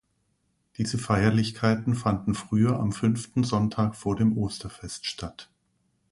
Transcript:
Diese Feierlichkeiten fanden früher am fünften Sonntag vor dem Osterfest statt.